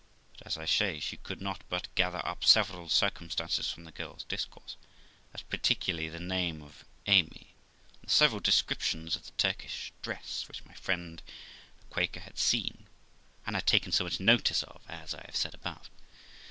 But, as I say, she could not but gather up several circumstances from the girl's discourse, as particularly the name of Amy, and the several descriptions of the Turkish dress which my friend the Quaker had seen, and taken so much notice of, as I have said above.